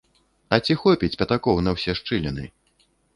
А ці хопіць пятакоў на ўсе шчыліны?